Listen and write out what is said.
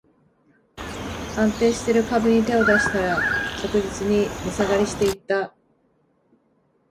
安定してる株に手を出したら、着実に値下がりしていった